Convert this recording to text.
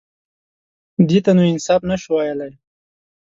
_دې ته نو انصاف نه شو ويلای.